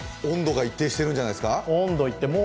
温度が一定してるんじゃないですか？